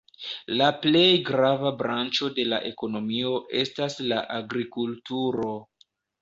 La plej grava branĉo de la ekonomio estas la agrikulturo.